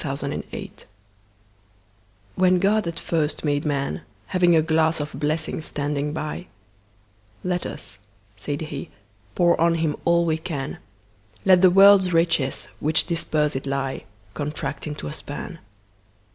The Pulley WHEN God at first made Man, Having a glass of blessings standing by—Let us (said He) pour on him all we can; Let the world's riches, which dispersèd lie, Contract into a span.